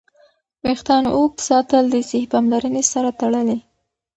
ویښتان اوږد ساتل د صحي پاملرنې سره تړلي.